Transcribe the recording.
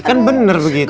ini kan bener begitu